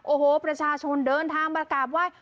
โอ้โหประชาชนเดินทางมากราบไหว้